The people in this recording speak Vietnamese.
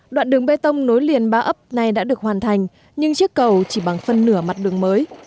đoạn đường bê tông nối liền ba ấp nay đã được hoàn thành nhưng chiếc cầu chỉ bằng phân nửa mặt đường mới